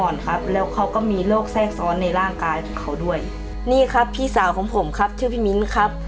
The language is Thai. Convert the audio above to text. นี่ครับพี่สาวของผมครับชื่อพี่มิ้นครับ